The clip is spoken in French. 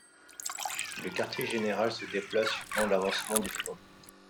Le quartier général se déplace suivant l'avancement du front.